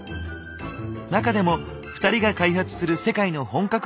中でも２人が開発する世界の本格